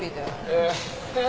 ええ。